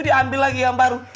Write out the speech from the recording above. diambil lagi yang baru